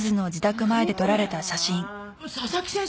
佐々木先生